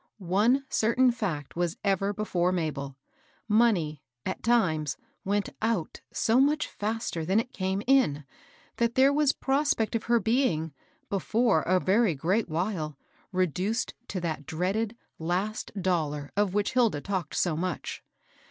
One certain fiwjt was ever before Mabel, — money, at times, went out so much faster than it came in, that there was prospect of her being, before a very great while, reduced to that dreaded last dollar of which Hilda talked so much.